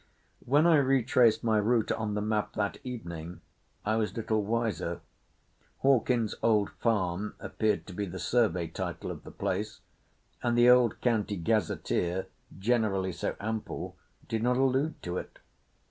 When I retraced my route on the map that evening I was little wiser. Hawkin's Old Farm appeared to be the survey title of the place, and the old County Gazetteer, generally so ample, did not allude to it.